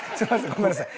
ごめんなさい。